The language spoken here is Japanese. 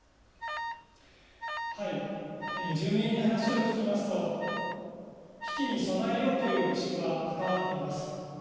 住民に話を聞きますと、危機に備えようという意識は高まっています。